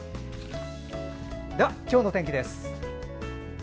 では、今日の天気です。